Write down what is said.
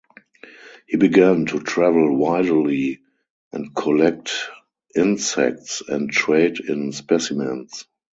He began to travel widely and collect insects and trade in specimens.